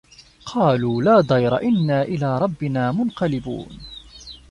قالوا لا ضَيرَ إِنّا إِلى رَبِّنا مُنقَلِبونَ